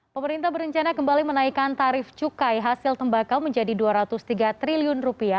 pemerintah berencana kembali menaikkan tarif cukai hasil tembakau menjadi rp dua ratus tiga triliun